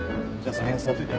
その辺に座っといて。